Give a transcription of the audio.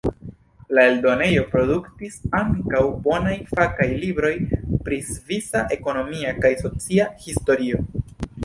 La eldonejo produktis ankaŭ bonaj fakaj libroj pri svisa ekonomia kaj socia historio.